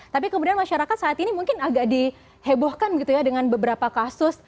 tapi kemudian masyarakat saat ini mungkin agak dihebohkan gitu ya dengan beberapa kasus